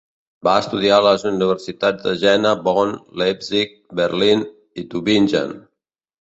Va estudiar a les universitats de Jena, Bonn, Leipzig, Berlín, i Tübingen.